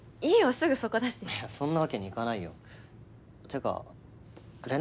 すぐそこだしそんなわけにいかないよてか連絡先交換しよ